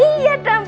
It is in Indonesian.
iya udah mampu